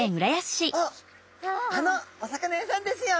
あっあのお魚屋さんですよ！